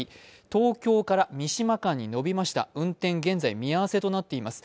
東京から三島間に延びました、運転現在見合わせとなっております。